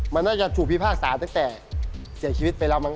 มันน่าจะถูกพิพากษาตั้งแต่เสียชีวิตไปแล้วมั้